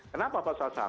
kenapa pasal satu